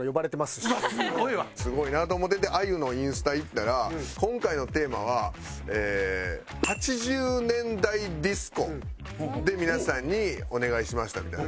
すごいなと思うててａｙｕのインスタいったら「今回のテーマは８０年代ディスコで皆さんにお願いしました」みたいな。